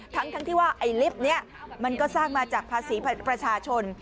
ทั้งที่ว่าไอ้ลิฟต์นี้มันก็สร้างมาจากภาษีประชาชน